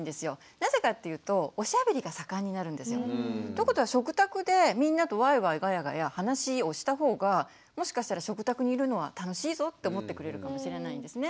なぜかっていうとおしゃべりが盛んになるんですよ。ということは食卓でみんなとワイワイガヤガヤ話をした方がもしかしたら食卓にいるのは楽しいぞって思ってくれるかもしれないんですね。